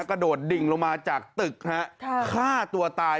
กระโดดดิ่งลงมาจากตึกฮะฆ่าตัวตาย